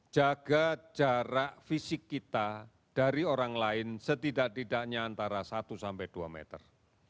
jaga jarak fisik kita dari orang lain setidak tidaknya antara satu sampai dua meter